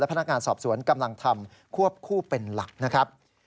พนักงานสอบสวนกำลังทำควบคู่เป็นหลักนะครับ